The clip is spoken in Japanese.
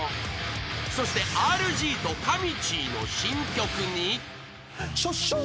［そしてＲＧとかみちぃの新曲に］